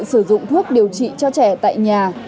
sử dụng thuốc điều trị cho trẻ tại nhà